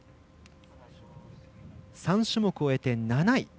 ３種目終えて７位。